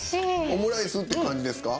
オムライスって感じですか？